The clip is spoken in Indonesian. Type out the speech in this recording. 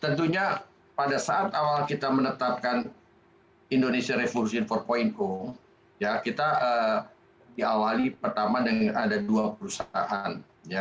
tentunya pada saat awal kita menetapkan indonesia revolution empat ya kita diawali pertama dengan ada dua perusahaan